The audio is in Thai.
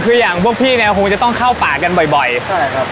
คืออย่างพวกพี่เนี่ยคงจะต้องเข้าป่ากันบ่อยบ่อยใช่ครับ